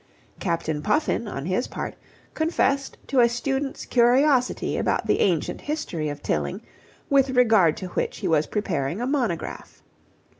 Captain Puffin, on his part, confessed to a student's curiosity about the ancient history of Tilling, with regard to which he was preparing a monograph.